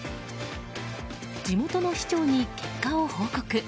地元の市長に結果を報告。